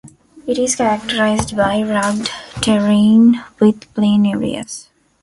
It is characterized by rugged terrain with plain areas.